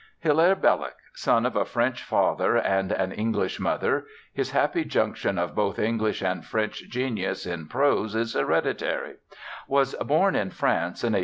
Hilaire Belloc son of a French father and an English mother; his happy junction of both English and French genius in prose is hereditary was born in France in 1870.